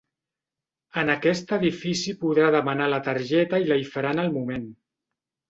En aquest edifici podrà demanar la targeta i la hi faran al moment.